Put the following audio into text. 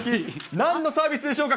なんのサービスでしょうか。